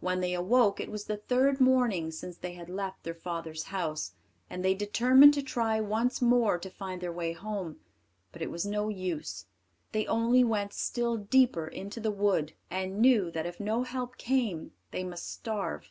When they awoke it was the third morning since they had left their father's house, and they determined to try once more to find their way home; but it was no use, they only went still deeper into the wood, and knew that if no help came they must starve.